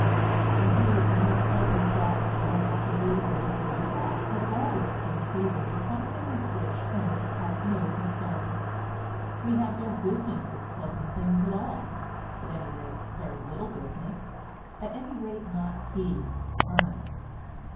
Indeed, the more pleasant side of learning to do this or that had always been treated as something with which Ernest had no concern. We had no business with pleasant things at all, at any rate very little business, at any rate not he, Ernest.